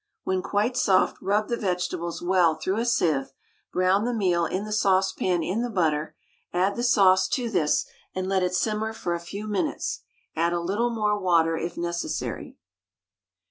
When quite soft rub the vegetables well through a sieve; brown the meal in the saucepan in the butter, add the sauce to this, and let it simmer for a few minutes; add a little more water if necessary.